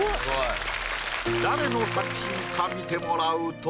誰の作品か見てもらうと。